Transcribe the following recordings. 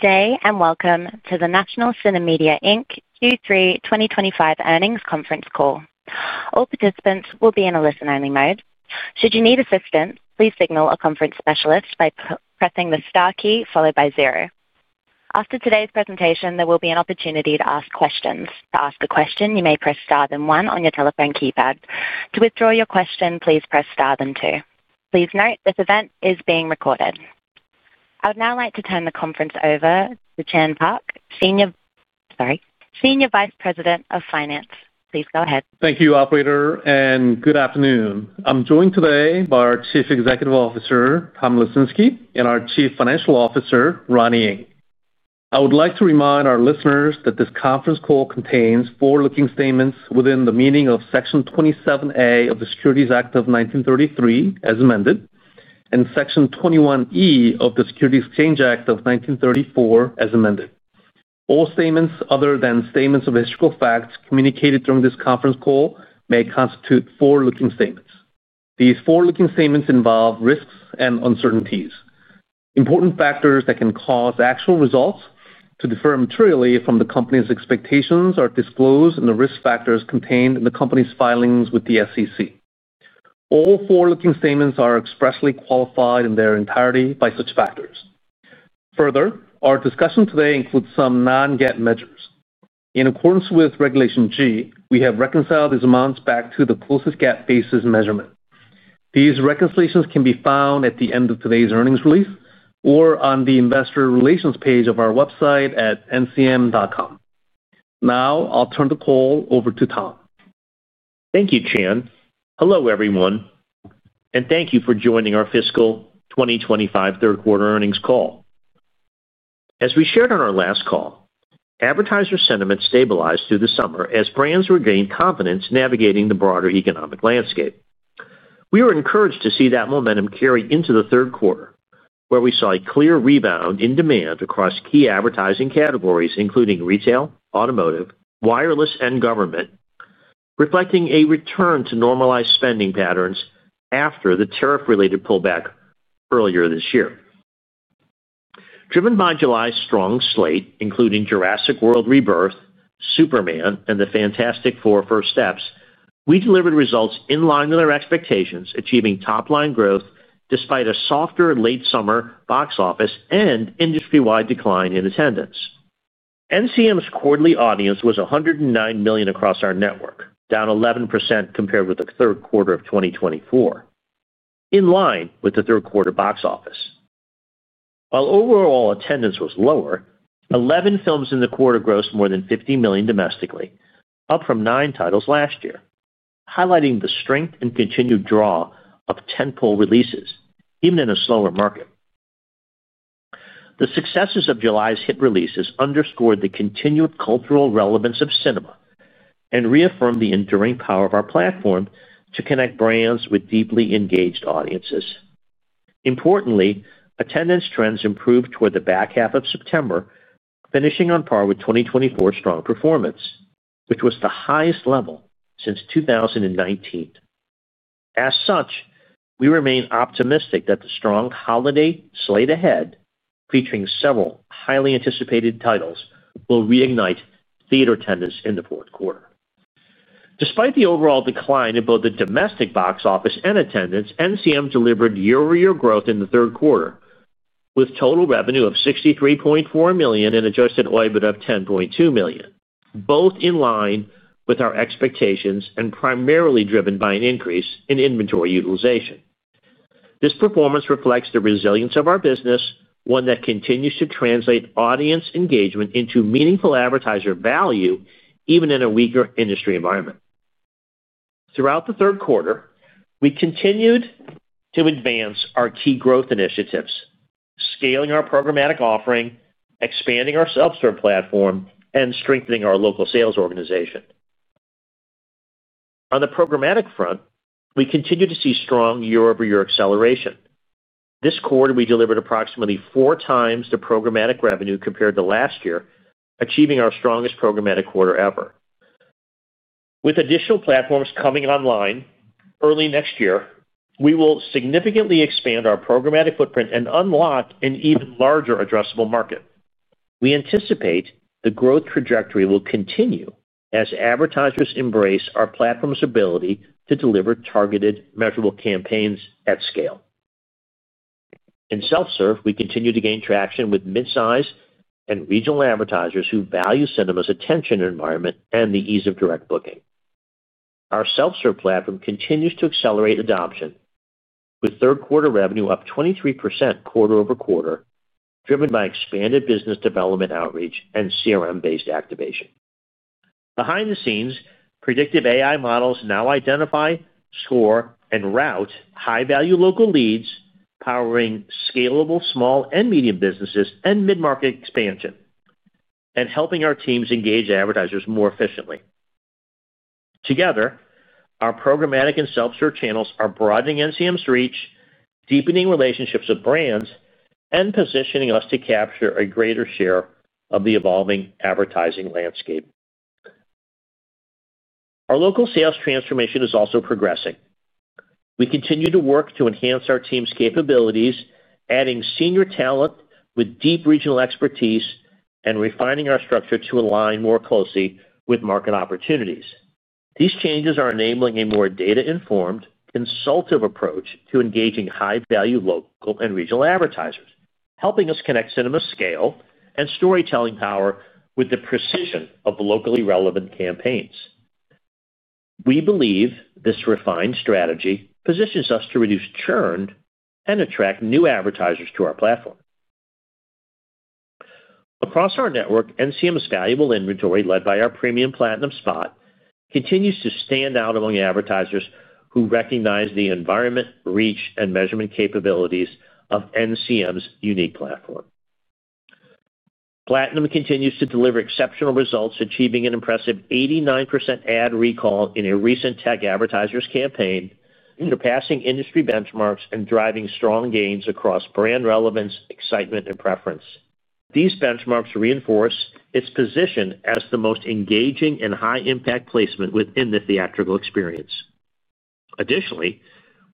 Today, and welcome to the National CineMedia Inc. Q3 2025 earnings conference call. All participants will be in a listen-only mode. Should you need assistance, please signal a conference specialist by pressing the star key followed by zero. After today's presentation, there will be an opportunity to ask questions. To ask a question, you may press star then one on your telephone keypad. To withdraw your question, please press star then two. Please note this event is being recorded. I would now like to turn the conference over to Chan Park, Senior Vice President of Finance. Please go ahead. Thank you, operator, and good afternoon. I'm joined today by our Chief Executive Officer, Tom Lesinski, and our Chief Financial Officer, Ronnie Ng. I would like to remind our listeners that this conference call contains forward-looking statements within the meaning of Section 27A of the Securities Act of 1933, as amended, and Section 21E of the Securities Exchange Act of 1934, as amended. All statements other than statements of historical facts communicated during this conference call may constitute forward-looking statements. These forward-looking statements involve risks and uncertainties. Important factors that can cause actual results to differ materially from the company's expectations are disclosed in the risk factors contained in the company's filings with the SEC. All forward-looking statements are expressly qualified in their entirety by such factors. Further, our discussion today includes some non-GAAP measures. In accordance with Regulation G, we have reconciled these amounts back to the closest GAAP basis measurement. These reconciliations can be found at the end of today's earnings release or on the investor relations page of our website at ncm.com. Now, I'll turn the call over to Tom. Thank you, Chan. Hello, everyone, and thank you for joining our fiscal 2025 third-quarter earnings call. As we shared on our last call, advertiser sentiment stabilized through the summer as brands regained confidence navigating the broader economic landscape. We were encouraged to see that momentum carry into the third quarter, where we saw a clear rebound in demand across key advertising categories, including retail, automotive, wireless, and government, reflecting a return to normalized spending patterns after the tariff-related pullback earlier this year. Driven by July's strong slate, including Jurassic World: Rebirth, Superman, and Fantastic Four: First Steps, we delivered results in line with our expectations, achieving top-line growth despite a softer late summer box office and industry-wide decline in attendance. NCM's quarterly audience was 109 million across our network, down 11% compared with the third quarter of 2024, in line with the third-quarter box office. While overall attendance was lower, 11 films in the quarter grossed more than $50 million domestically, up from nine titles last year, highlighting the strength and continued draw of tentpole releases, even in a slower market. The successes of July's hit releases underscored the continued cultural relevance of cinema and reaffirmed the enduring power of our platform to connect brands with deeply engaged audiences. Importantly, attendance trends improved toward the back half of September, finishing on par with 2024's strong performance, which was the highest level since 2019. As such, we remain optimistic that the strong holiday slate ahead, featuring several highly anticipated titles, will reignite theater attendance in the fourth quarter. Despite the overall decline in both the domestic box office and attendance, NCM delivered year-over-year growth in the third quarter, with total revenue of $63.4 million and Adjusted EBITDA of $10.2 million, both in line with our expectations and primarily driven by an increase in inventory utilization. This performance reflects the resilience of our business, one that continues to translate audience engagement into meaningful advertiser value, even in a weaker industry environment. Throughout the third quarter, we continued to advance our key growth initiatives, scaling our Programmatic offering, expanding our self-serve platform, and strengthening our local sales organization. On the Programmatic front, we continue to see strong year-over-year acceleration. This quarter, we delivered approximately four times the programmatic revenue compared to last year, achieving our strongest programmatic quarter ever. With additional platforms coming online early next year, we will significantly expand our programmatic footprint and unlock an even larger addressable market. We anticipate the growth trajectory will continue as advertisers embrace our platform's ability to deliver targeted, measurable campaigns at scale. In self-serve, we continue to gain traction with midsize and regional advertisers who value cinema's attention environment and the ease of direct booking. Our self-serve platform continues to accelerate adoption, with third-quarter revenue up 23% quarter-over-quarter, driven by expanded business development outreach and CRM-based activation. Behind the scenes, predictive AI models now identify, score, and route high-value local leads powering scalable small and medium businesses and mid-market expansion, helping our teams engage advertisers more efficiently. Together, our Programmatic and Self-serve channels are broadening NCM's reach, deepening relationships with brands, and positioning us to capture a greater share of the evolving advertising landscape. Our local sales transformation is also progressing. We continue to work to enhance our team's capabilities, adding senior talent with deep regional expertise, and refining our structure to align more closely with market opportunities. These changes are enabling a more data-informed, consultative approach to engaging high-value local and regional advertisers, helping us connect cinema scale and storytelling power with the precision of locally relevant campaigns. We believe this refined strategy positions us to reduce churn and attract new advertisers to our platform. Across our network, NCM's valuable inventory, led by our premium Platinum spot, continues to stand out among advertisers who recognize the environment, reach, and measurement capabilities of NCM's unique platform. Platinum continues to deliver exceptional results, achieving an impressive 89% ad recall in a recent tech advertisers campaign, surpassing industry benchmarks and driving strong gains across brand relevance, excitement, and preference. These benchmarks reinforce its position as the most engaging and high-impact placement within the theatrical experience. Additionally,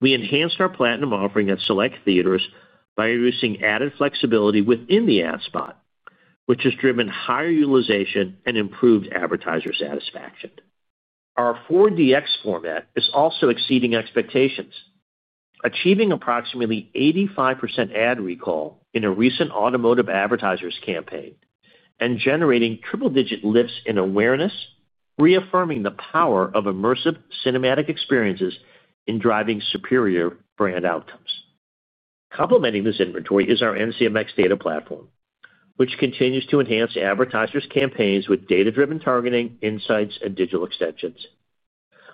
we enhanced our Platinum offering at select theaters by reducing added flexibility within the ad spot, which has driven higher utilization and improved advertiser satisfaction. Our 4DX format is also exceeding expectations, achieving approximately 85% ad recall in a recent automotive advertiser's campaign and generating triple-digit lifts in awareness, reaffirming the power of immersive cinematic experiences in driving superior brand outcomes. Complementing this inventory is our NCMx data intelligence platform, which continues to enhance advertisers' campaigns with data-driven targeting, insights, and digital extensions.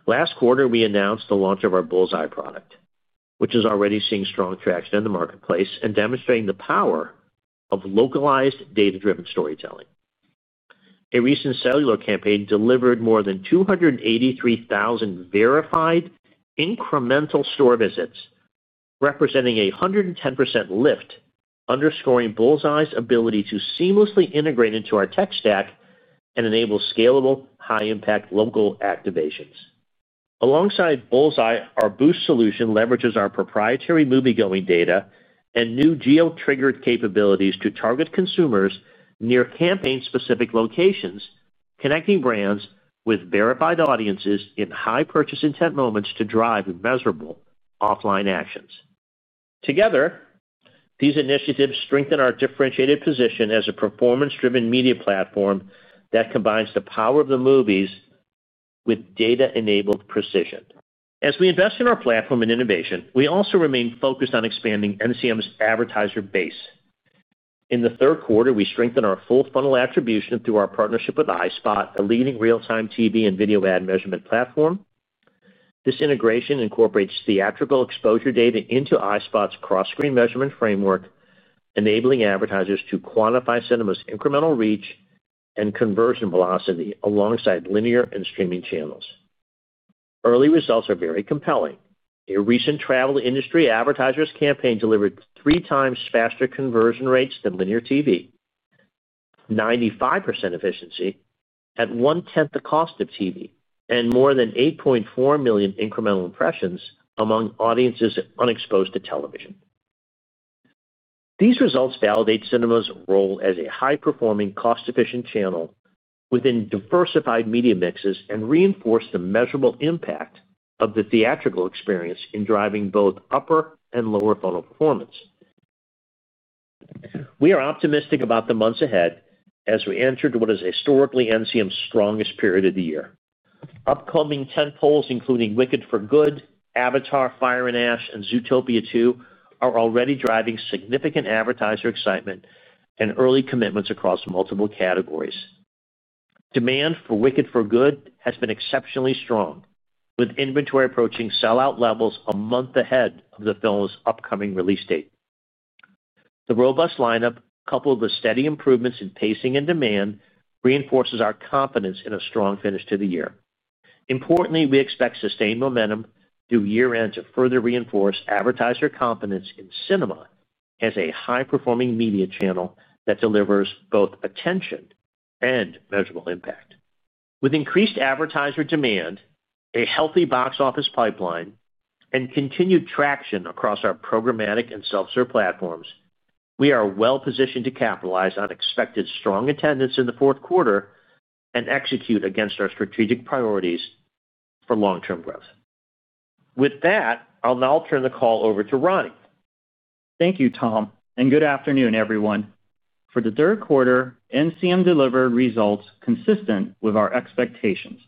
Last quarter, we announced the launch of our Bullseye product, which is already seeing strong traction in the marketplace and demonstrating the power of localized data-driven storytelling. A recent cellular campaign delivered more than 283,000 verified incremental store visits, representing a 110% lift, underscoring Bullseye's ability to seamlessly integrate into our tech stack and enable scalable, high-impact local activations. Alongside Bullseye, our Boost solution leverages our proprietary movie-going data and new geo-triggered capabilities to target consumers near campaign-specific locations, connecting brands with verified audiences in high purchase intent moments to drive measurable offline actions. Together, these initiatives strengthen our differentiated position as a performance-driven media platform that combines the power of the movies with data-enabled precision. As we invest in our platform and innovation, we also remain focused on expanding NCM's advertiser base. In the third quarter, we strengthened our full funnel attribution through our partnership with iSpot, a leading real-time TV and video ad measurement platform. This integration incorporates theatrical exposure data into iSpot's cross-screen measurement framework, enabling advertisers to quantify cinema's incremental reach and conversion velocity alongside linear and streaming channels. Early results are very compelling. A recent travel industry advertiser's campaign delivered 3x faster conversion rates than linear TV, 95% efficiency at one-tenth the cost of TV, and more than 8.4 million incremental impressions among audiences unexposed to television. These results validate cinema's role as a high-performing, cost-efficient channel within diversified media mixes and reinforce the measurable impact of the theatrical experience in driving both upper and lower funnel performance. We are optimistic about the months ahead as we enter what is historically NCM's strongest period of the year. Upcoming tentpoles, including Wicked for Good, Avatar: Fire and Ash, and Zootopia 2, are already driving significant advertiser excitement and early commitments across multiple categories. Demand for Wicked for Good has been exceptionally strong, with inventory approaching sellout levels a month ahead of the film's upcoming release date. The robust lineup, coupled with steady improvements in pacing and demand, reinforces our confidence in a strong finish to the year. Importantly, we expect sustained momentum through year-end to further reinforce advertiser confidence in cinema as a high-performing media channel that delivers both attention and measurable impact. With increased advertiser demand, a healthy box office pipeline, and continued traction across our Programmatic and Self-serve platforms, we are well-positioned to capitalize on expected strong attendance in the fourth quarter and execute against our strategic priorities for long-term growth. With that, I'll now turn the call over to Ronnie. Thank you, Tom, and good afternoon, everyone. For the third quarter, NCM delivered results consistent with our expectations,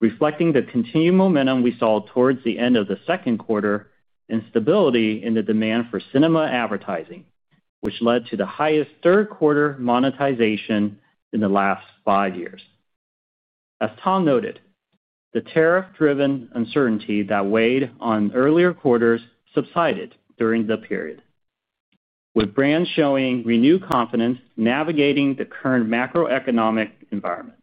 reflecting the continued momentum we saw towards the end of the second quarter and stability in the demand for cinema advertising, which led to the highest third-quarter monetization in the last five years. As Tom noted, the tariff-driven uncertainty that weighed on earlier quarters subsided during the period, with brands showing renewed confidence navigating the current macro-economic environment.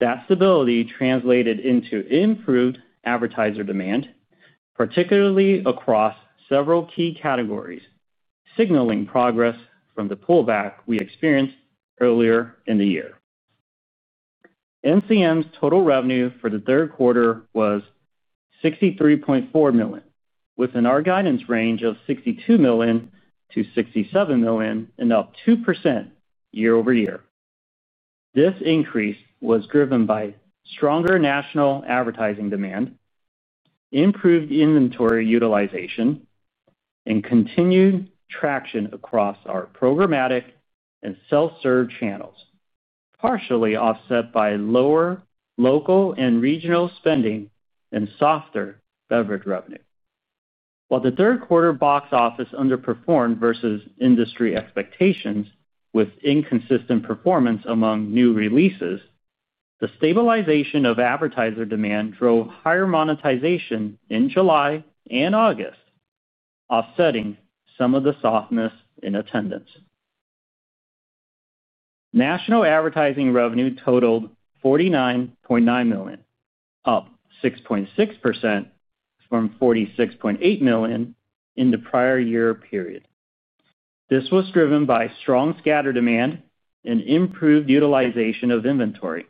That stability translated into improved advertiser demand, particularly across several key categories, signaling progress from the pullback we experienced earlier in the year. NCM's total revenue for the third quarter was $63.4 million, within our guidance range of $62 million-$67 million and up 2% year-over-year. This increase was driven by stronger national advertising demand, improved inventory utilization, and continued traction across our programmatic and self-serve channels, partially offset by lower local and regional spending and softer beverage revenue. While the third-quarter box office underperformed vs industry expectations with inconsistent performance among new releases, the stabilization of advertiser demand drove higher monetization in July and August, offsetting some of the softness in attendance. National advertising revenue totaled $49.9 million, up 6.6% from $46.8 million in the prior year period. This was driven by strong scatter demand and improved utilization of inventory,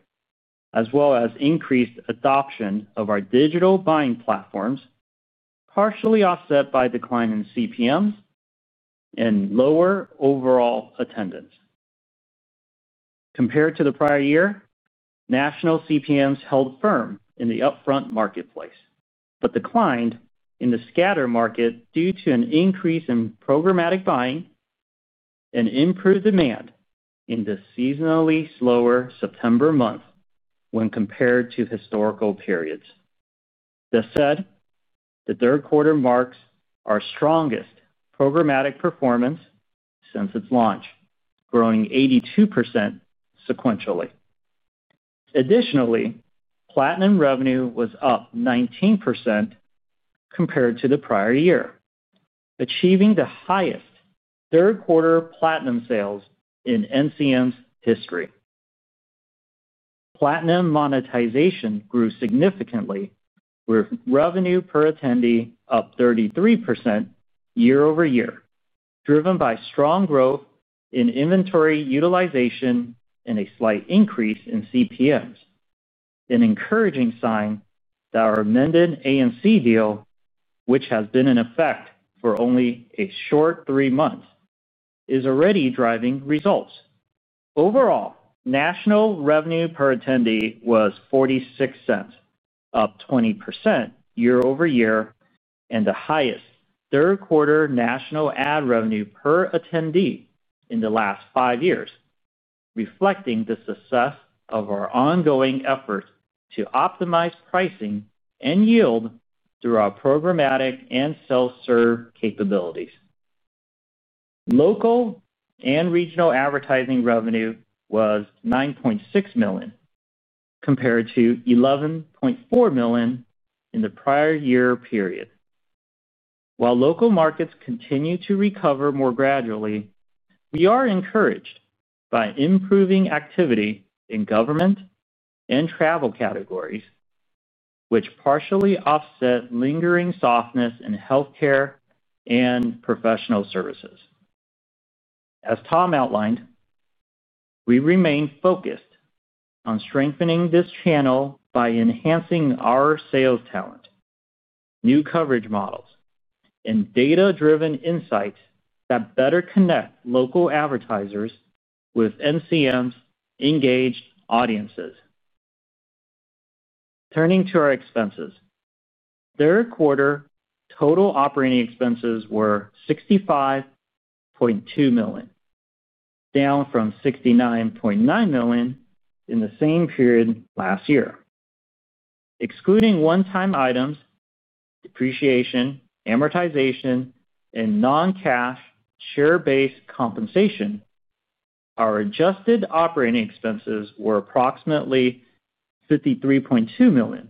as well as increased adoption of our digital buying platforms, partially offset by decline in CPMs and lower overall attendance. Compared to the prior year, national CPMs held firm in the upfront marketplace but declined in the scatter market due to an increase in programmatic buying and improved demand in the seasonally slower September month when compared to historical periods. That said, the third quarter marks our strongest programmatic performance since its launch, growing 82% sequentially. Additionally, Platinum revenue was up 19% compared to the prior year, achieving the highest third-quarter Platinum sales in NCM's history. Platinum monetization grew significantly, with revenue per attendee up 33% year-over-year, driven by strong growth in inventory utilization and a slight increase in CPMs, an encouraging sign that our amended AMC Theatres deal, which has been in effect for only a short three months, is already driving results. Overall, national revenue per attendee was $0.46, up 20% year-over-year, and the highest third-quarter national ad revenue per attendee in the last five years, reflecting the success of our ongoing effort to optimize pricing and yield through our programmatic and self-serve capabilities. Local and regional advertising revenue was $9.6 million, compared to $11.4 million in the prior year period. While local markets continue to recover more gradually, we are encouraged by improving activity in government and travel categories, which partially offset lingering softness in healthcare and professional services. As Tom outlined, we remain focused on strengthening this channel by enhancing our sales talent, new coverage models, and data-driven insights that better connect local advertisers with NCM's engaged audiences. Turning to our expenses, third-quarter total operating expenses were $65.2 million, down from $69.9 million in the same period last year. Excluding one-time items, depreciation, amortization, and non-cash share-based compensation, our adjusted operating expenses were approximately $53.2 million,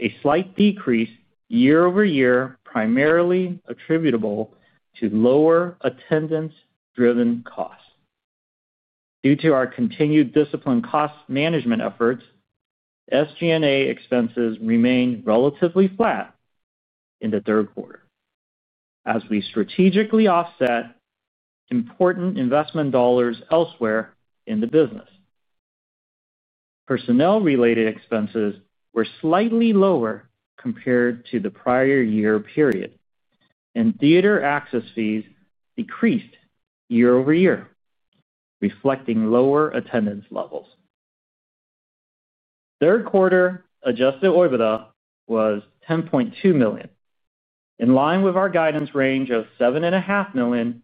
a slight decrease year-over-year, primarily attributable to lower attendance-driven costs. Due to our continued disciplined cost management efforts, SG&A expenses remained relatively flat in the third quarter, as we strategically offset important investment dollars elsewhere in the business. Personnel-related expenses were slightly lower compared to the prior year period, and theater access fees decreased year-over-year, reflecting lower attendance levels. Third-quarter Adjusted EBITDA was $10.2 million, in line with our guidance range of $7.5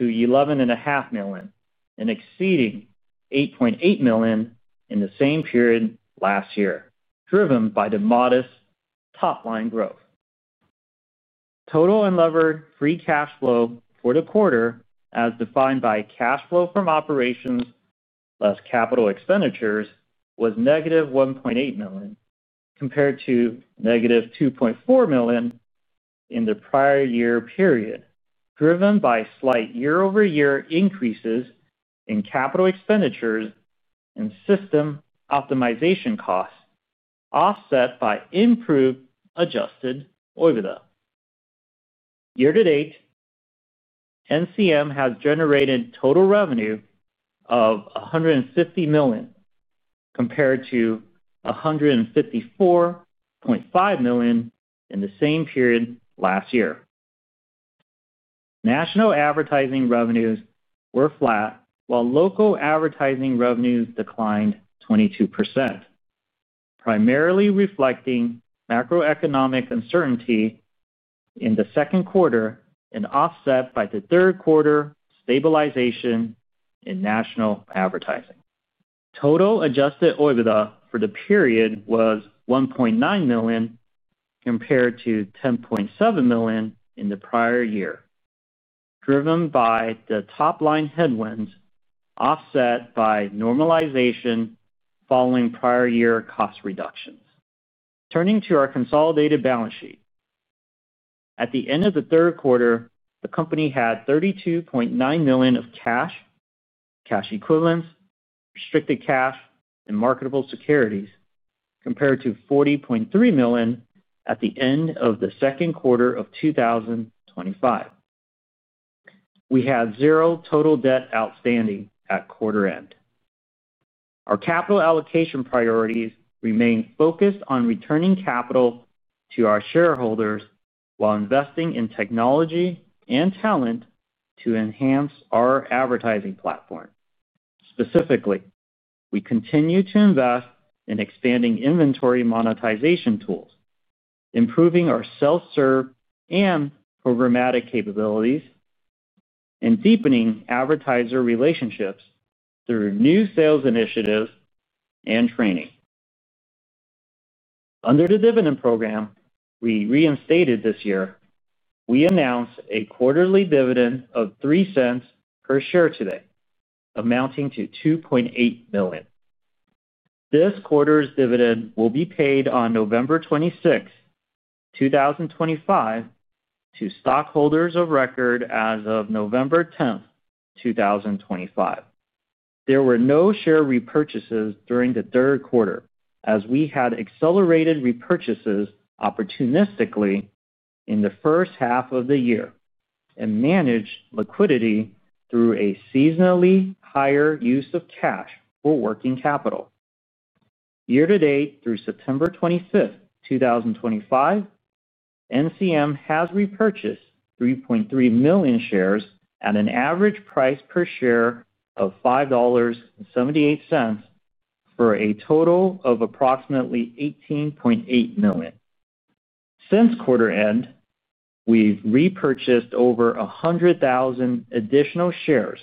million-$11.5 million and exceeding $8.8 million in the same period last year, driven by the modest top-line growth. Total and levered free cash flow for the quarter, as defined by cash flow from operations less capital expenditures, was -$1.8 million compared to -$2.4 million in the prior year period, driven by slight year-over-year increases in capital expenditures and system optimization costs offset by improved Adjusted EBITDA. Year to date, NCM has generated total revenue of $150 million, compared to $154.5 million in the same period last year. National advertising revenues were flat, while local advertising revenues declined 22%, primarily reflecting macro-economic uncertainty in the second quarter and offset by the third-quarter stabilization in national advertising. Total adjusted EBITDA for the period was $1.9 million, compared to $10.7 million in the prior year, driven by the top-line headwinds offset by normalization following prior year cost reductions. Turning to our consolidated balance sheet, at the end of the third quarter, the company had $32.9 million of cash, cash equivalents, restricted cash, and marketable securities compared to $40.3 million at the end of the second quarter of 2025. We had zero total debt outstanding at quarter end. Our capital allocation priorities remain focused on returning capital to our shareholders while investing in technology and talent to enhance our advertising platform. Specifically, we continue to invest in expanding inventory monetization tools, improving our self-serve and programmatic capabilities, and deepening advertiser relationships through new sales initiatives and training. Under the dividend program we reinstated this year, we announced a quarterly dividend of $0.03 per share today, amounting to $2.8 million. This quarter's dividend will be paid on November 26, 2025, to stockholders of record as of November 10, 2025. There were no share repurchases during the third quarter, as we had accelerated repurchases opportunistically in the first half of the year and managed liquidity through a seasonally higher use of cash for working capital. Year to date, through September 25, 2025, NCM has repurchased 3.3 million shares at an average price per share of $5.78, for a total of approximately $18.8 million. Since quarter end, we've repurchased over 100,000 additional shares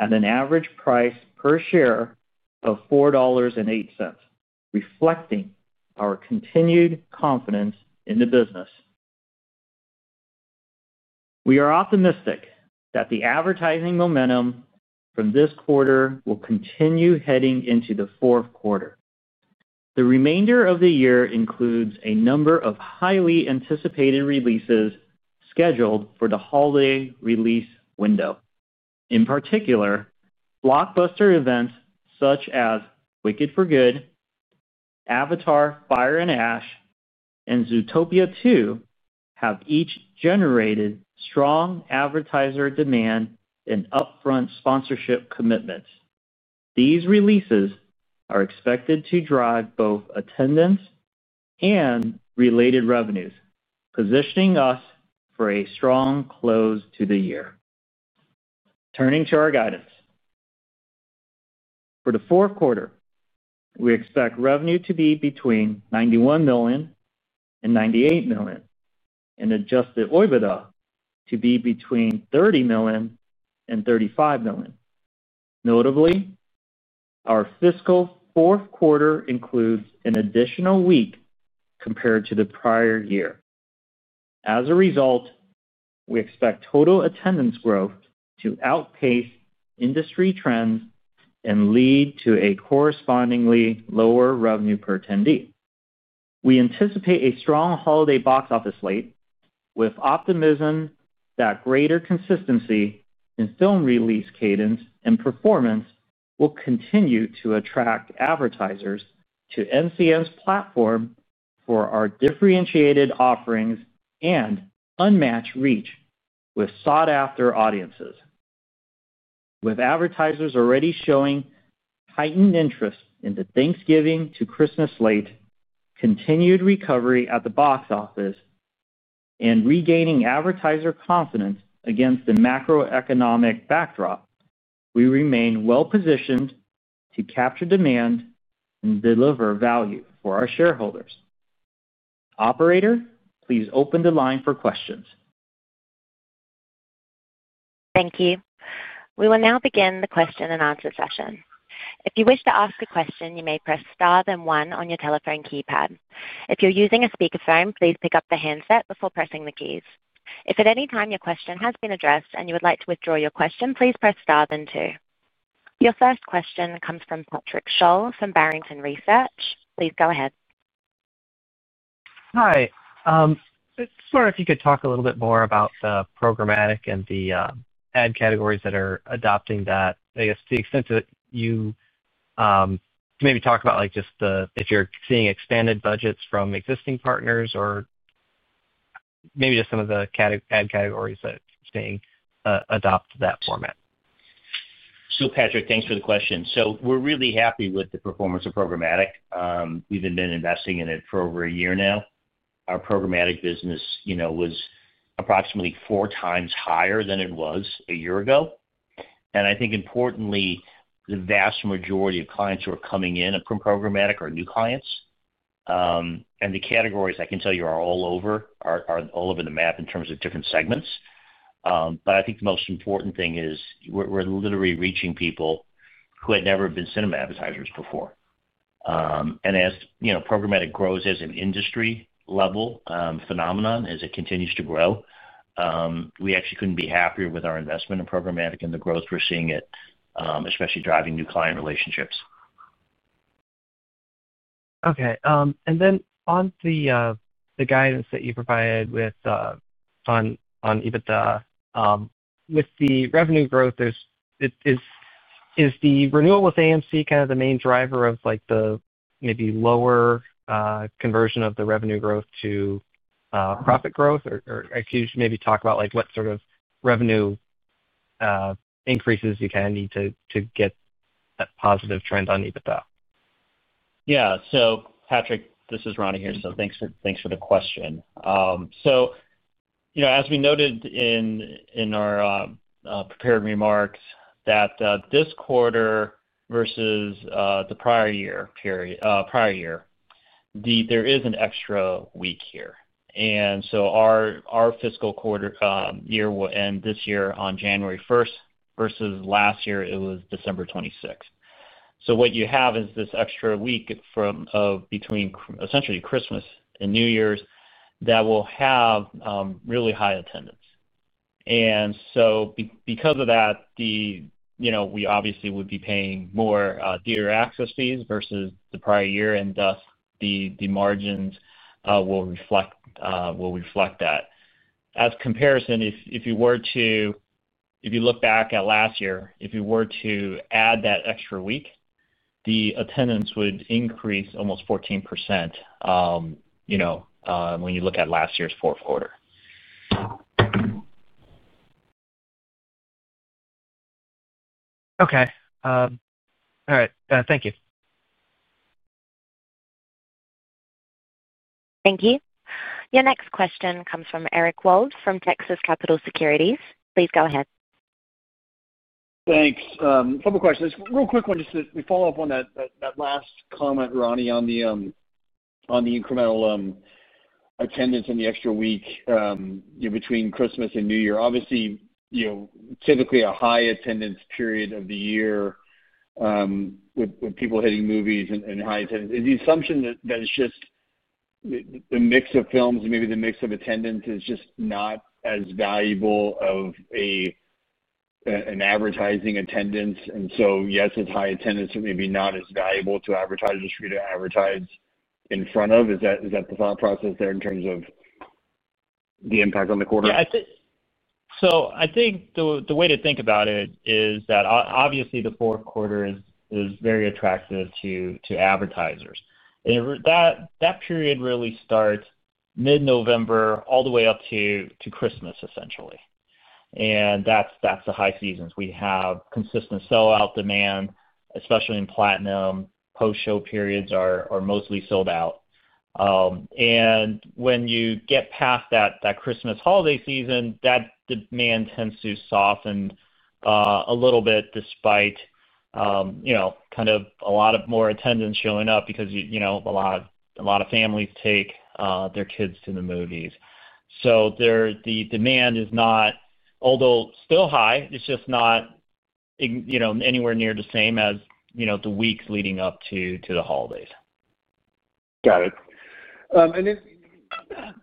at an average price per share of $4.08, reflecting our continued confidence in the business. We are optimistic that the advertising momentum from this quarter will continue heading into the fourth quarter. The remainder of the year includes a number of highly anticipated releases scheduled for the holiday release window. In particular, blockbuster events such as Wicked for Good, Avatar: Fire and Ash, and Zootopia 2 have each generated strong advertiser demand and upfront sponsorship commitments. These releases are expected to drive both attendance and related revenues, positioning us for a strong close to the year. Turning to our guidance, for the fourth quarter, we expect revenue to be between $91 million and $98 million, and adjusted EBITDA to be between $30 million and $35 million. Notably, our fiscal fourth quarter includes an additional week compared to the prior year. As a result. We expect total attendance growth to outpace industry trends and lead to a correspondingly lower revenue per attendee. We anticipate a strong holiday box office slate, with optimism that greater consistency in film release cadence and performance will continue to attract advertisers to NCM's platform for our differentiated offerings and unmatched reach with sought-after audiences. Advertisers are already showing heightened interest in the Thanksgiving to Christmas slate, continued recovery at the box office, and regaining advertiser confidence against the macro-economic backdrop. We remain well-positioned to capture demand and deliver value for our shareholders. Operator, please open the line for questions. Thank you. We will now begin the question and answer session. If you wish to ask a question, you may press star then one on your telephone keypad. If you're using a speakerphone, please pick up the handset before pressing the keys. If at any time your question has been addressed and you would like to withdraw your question, please press star then two. Your first question comes from Patrick Scholl from Barrington Research. Please go ahead. Hi. I was wondering if you could talk a little bit more about the programmatic and the ad categories that are adopting that. I guess to the extent that you maybe talk about just if you're seeing expanded budgets from existing partners or maybe just some of the ad categories that you're seeing adopt that format. Thank you, Patrick, for the question. We're really happy with the performance of Programmatic. We've been investing in it for over a year now. Our Programmatic business was approximately 4xmes higher than it was a year ago. I think, importantly, the vast majority of clients who are coming in from Programmatic are new clients. The categories, I can tell you, are all over the map in terms of different segments. I think the most important thing is we're literally reaching people who had never been cinema advertisers before. As Programmatic grows as an industry-level phenomenon, as it continues to grow, we actually couldn't be happier with our investment in Programmatic and the growth we're seeing, especially driving new client relationships. Okay. On the guidance that you provided with EBITDA, with the revenue growth, is the renewal with AMC kind of the main driver of the maybe lower conversion of the revenue growth to profit growth? Could you maybe talk about what sort of revenue increases you kind of need to get that positive trend on EBITDA? Yeah. Patrick, this is Ronnie here. Thanks for the question. As we noted in our prepared remarks, this quarter versus the prior year period, there is an extra week here. Our fiscal quarter year will end this year on January 1 vs last year it was December 26. What you have is this extra week between, essentially, Christmas and New Year's that will have really high attendance. Because of that, we obviously would be paying more theater access fees versus the prior year, and thus the margins will reflect that. As comparison, if you look back at last year, if you were to add that extra week, the attendance would increase almost 14% when you look at last year's fourth quarter. Okay. All right. Thank you. Thank you. Your next question comes from Eric Wold from Texas Capital Securities. Please go ahead. Thanks. A couple of questions. Real quick one, just to follow up on that last comment, Ronnie, on the incremental attendance and the extra week between Christmas and New Year. Obviously, typically a high attendance period of the year with people hitting movies and high attendance. Is the assumption that it's just the mix of films and maybe the mix of attendance is just not as valuable of an advertising attendance? Yes, it's high attendance, but maybe not as valuable to advertisers for you to advertise in front of. Is that the thought process there in terms of the impact on the quarter? I think the way to think about it is that, obviously, the fourth quarter is very attractive to advertisers. That period really starts mid-November all the way up to Christmas, essentially, and that's the high season. We have consistent sell-out demand, especially in Platinum. Post-show periods are mostly sold out. When you get past that Christmas holiday season, that demand tends to soften a little bit despite a lot of more attendance showing up because a lot of families take their kids to the movies. The demand is not, although still high, it's just not anywhere near the same as the weeks leading up to the holidays. Got it.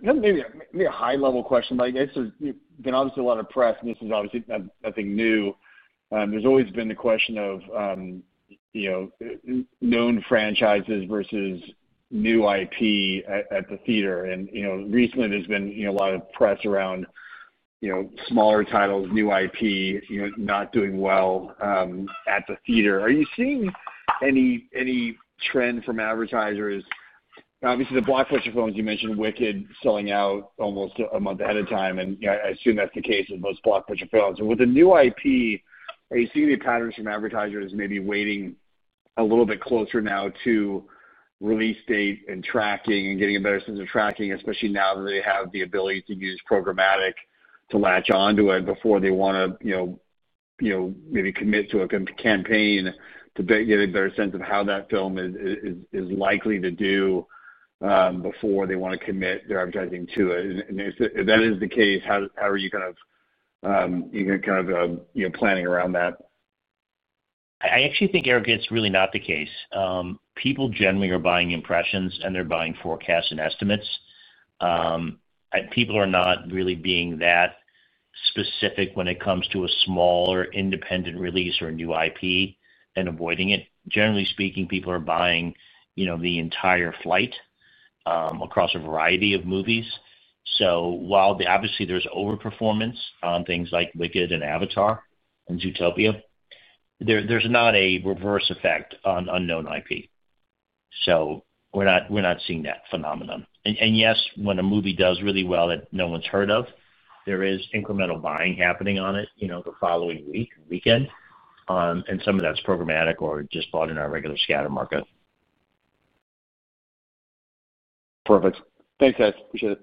Maybe a high-level question, but I guess there's been obviously a lot of press, and this is obviously nothing new. There's always been the question of known franchises versus new IP at the theater. Recently, there's been a lot of press around smaller titles, new IP not doing well at the theater. Are you seeing any trend from advertisers? Obviously, the blockbuster films, you mentioned Wicked selling out almost a month ahead of time, and I assume that's the case with most blockbuster films. With the new IP, are you seeing any patterns from advertisers maybe waiting a little bit closer now to release date and tracking and getting a better sense of tracking, especially now that they have the ability to use programmatic to latch onto it before they want to maybe commit to a campaign to get a better sense of how that film is likely to do before they want to commit their advertising to it? If that is the case, how are you kind of planning around that? I actually think, Eric, it's really not the case. People generally are buying impressions, and they're buying forecasts and estimates. People are not really being that specific when it comes to a small or independent release or a new IP and avoiding it. Generally speaking, people are buying the entire flight across a variety of movies. While obviously there's overperformance on things like Wicked for Good and Avatar: Fire and Ash and Zootopia 2, there's not a reverse effect on unknown IP. We're not seeing that phenomenon. Yes, when a movie does really well that no one's heard of, there is incremental buying happening on it the following week and weekend. Some of that's programmatic or just bought in our regular scatter market. Perfect. Thanks, guys. Appreciate it.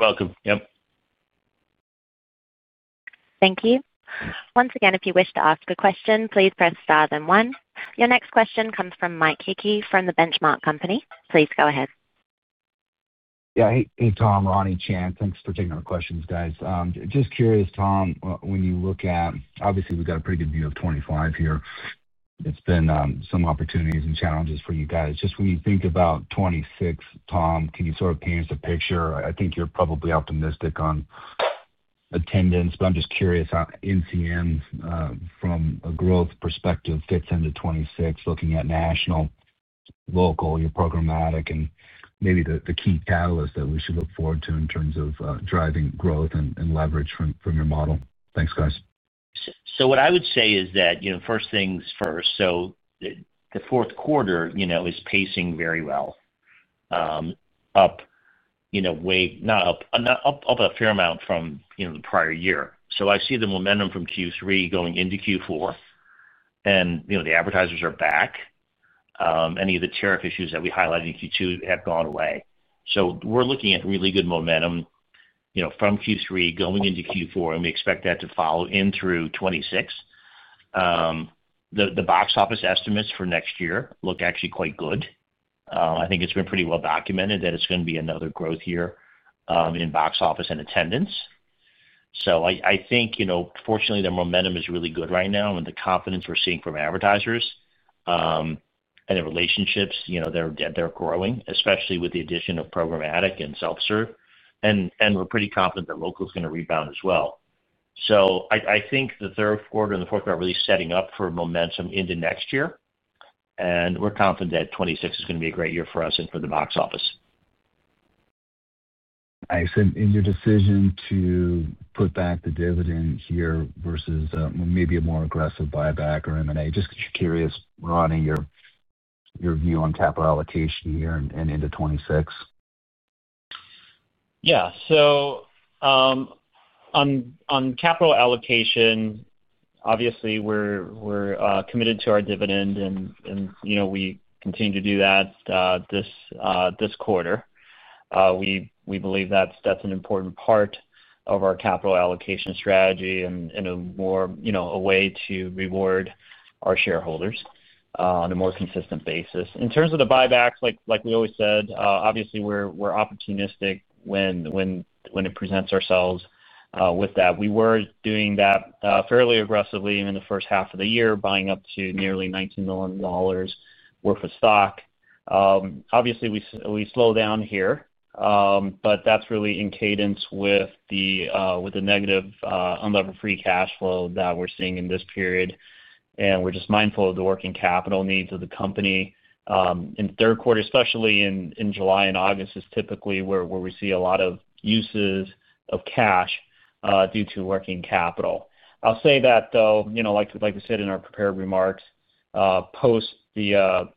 You're welcome. Yep. Thank you. Once again, if you wish to ask a question, please press star then one. Your next question comes from Mike Hickey from The Benchmark Company. Please go ahead. Yeah. Hey, Tom, Ronnie, Chan, thanks for taking our questions, guys. Just curious, Tom, when you look at, obviously, we've got a pretty good view of 2025 here. It's been some opportunities and challenges for you guys. When you think about 2026, Tom, can you sort of paint us a picture? I think you're probably optimistic on attendance, but I'm just curious how NCM, from a growth perspective, fits into 2026, looking at national, local, your programmatic, and maybe the key catalyst that we should look forward to in terms of driving growth and leverage from your model. Thanks, guys. What I would say is that first things first. The fourth quarter is pacing very well, up a fair amount from the prior year. I see the momentum from Q3 going into Q4, and the advertisers are back. Any of the tariff issues that we highlighted in Q2 have gone away. We're looking at really good momentum from Q3 going into Q4, and we expect that to follow in through 2026. The box office estimates for next year look actually quite good. I think it's been pretty well documented that it's going to be another growth year in box office and attendance. Fortunately, the momentum is really good right now with the confidence we're seeing from advertisers. The relationships are growing, especially with the addition of programmatic and self-serve. We're pretty confident that local is going to rebound as well. I think the third quarter and the fourth quarter are really setting up for momentum into next year, and we're confident that 2026 is going to be a great year for us and for the box office. Nice. Your decision to put back the dividend here vs maybe a more aggressive buyback or M&A, just curious, Ronnie, your view on capital allocation here and into 2026? Yeah. On capital allocation, obviously, we're committed to our dividend, and we continue to do that. This quarter, we believe that's an important part of our capital allocation strategy and a way to reward our shareholders on a more consistent basis. In terms of the buybacks, like we always said, obviously, we're opportunistic when it presents ourselves with that. We were doing that fairly aggressively in the first half of the year, buying up to nearly $19 million worth of stock. Obviously, we slowed down here, but that's really in cadence with the negative unlevered free cash flow that we're seeing in this period. We're just mindful of the working capital needs of the company. In third quarter, especially in July and August, is typically where we see a lot of uses of cash due to working capital. I'll say that, though, like we said in our prepared remarks, post the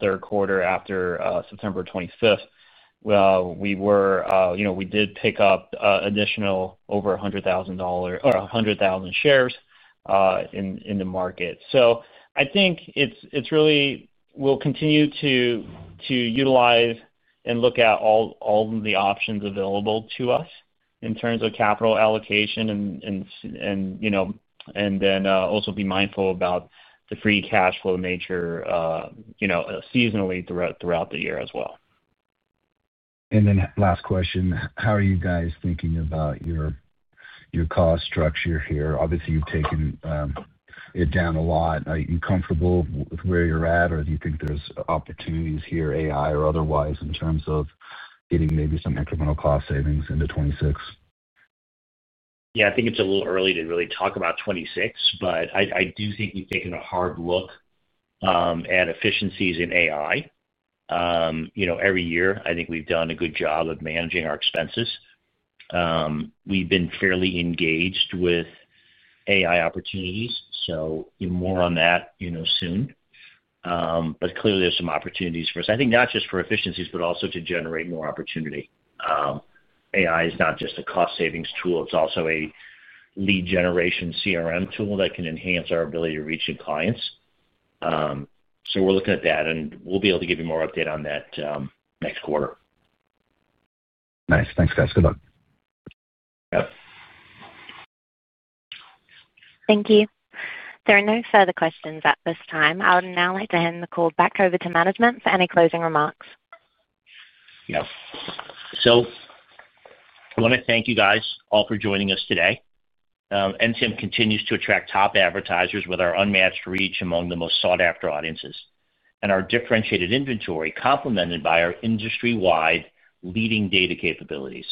third quarter, after September 25, we did pick up additional over 100,000 shares in the market. I think it's really, we'll continue to utilize and look at all of the options available to us in terms of capital allocation and also be mindful about the free cash flow nature seasonally throughout the year as well. How are you guys thinking about your cost structure here? Obviously, you've taken it down a lot. Are you comfortable with where you're at, or do you think there's opportunities here, AI or otherwise, in terms of getting maybe some incremental cost savings into 2026? Yeah, I think it's a little early to really talk about 2026, but I do think we've taken a hard look at efficiencies in AI. Every year, I think we've done a good job of managing our expenses. We've been fairly engaged with AI opportunities, more on that soon. Clearly, there's some opportunities for us, I think, not just for efficiencies, but also to generate more opportunity. AI is not just a cost-savings tool, it's also a lead generation CRM tool that can enhance our ability to reach new clients. We're looking at that, and we'll be able to give you more update on that next quarter. Nice. Thanks, guys. Good luck. Yep. Thank you. There are no further questions at this time. I would now like to hand the call back over to management for any closing remarks. I want to thank you guys all for joining us today. National CineMedia continues to attract top advertisers with our unmatched reach among the most sought-after audiences and our differentiated inventory, complemented by our industry-wide leading data capabilities.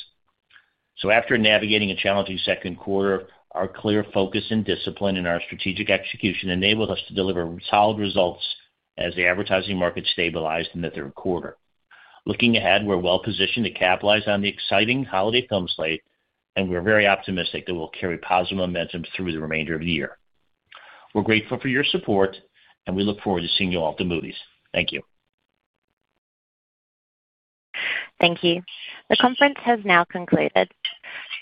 After navigating a challenging second quarter, our clear focus and discipline in our strategic execution enabled us to deliver solid results as the advertising market stabilized in the third quarter. Looking ahead, we're well-positioned to capitalize on the exciting holiday film slate, and we're very optimistic that we'll carry positive momentum through the remainder of the year. We're grateful for your support, and we look forward to seeing you all at the movies. Thank you. Thank you. The conference has now concluded.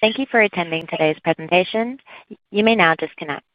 Thank you for attending today's presentation. You may now disconnect.